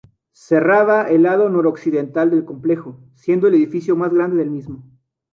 Cerraba el lado noroccidental del complejo, siendo el edificio más grande del mismo.